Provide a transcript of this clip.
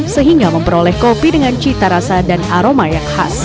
sehingga memperoleh kopi dengan cita rasa dan aroma yang khas